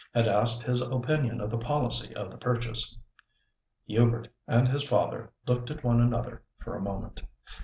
had asked his opinion of the policy of the purchase. Hubert and his father looked at one another for a moment.